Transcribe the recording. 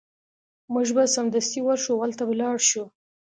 موږ به سمدستي ورشو او هلته به لاړ شو